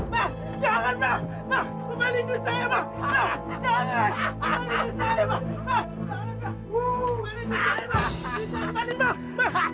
pak jangan pak pak lo paling ducah pak